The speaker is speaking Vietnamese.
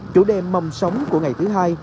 chủ đề mầm sống của ngày thứ hai